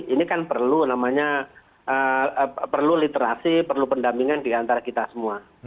ini kan perlu namanya perlu literasi perlu pendampingan diantara kita semua